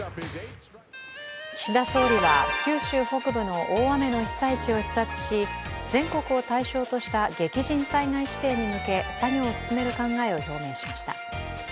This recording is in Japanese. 岸田総理は九州北部の大雨の被災地を視察し全国を対象とした激甚災害指定に向け、作業を進める考えを表明しました。